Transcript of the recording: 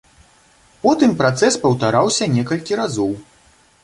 Потым працэс паўтараўся некалькі разоў.